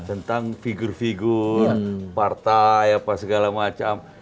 tentang figur figur partai apa segala macam